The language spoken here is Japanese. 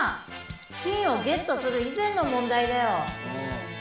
金をゲットする以前の問題だよ。